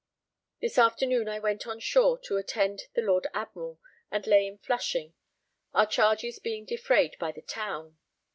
This afternoon I went on shore to attend the Lord Admiral and lay in Flushing, our charges being defrayed by the town.